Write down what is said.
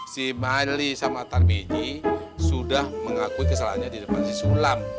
si mile sama tarmiji sudah mengakui kesalahannya di depan si sulam